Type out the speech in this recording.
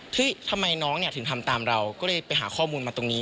ทำไมน้องเนี่ยถึงทำตามเราก็เลยไปหาข้อมูลมาตรงนี้